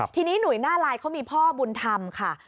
ทีนี้หนุ่ยหน้าลายเขามีพ่อบุญธรรมค่ะ